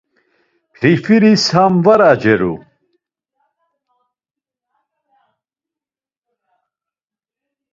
Porfiris ham var aceru.